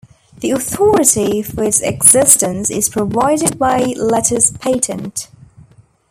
The authority for its existence is provided by Letters Patent.